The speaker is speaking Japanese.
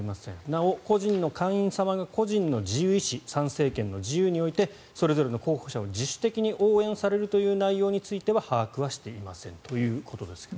なお、個人の会員様が個人の自由意思参政権の行使においてそれぞれの候補者を自主的に応援される内容については把握はしていませんということですが。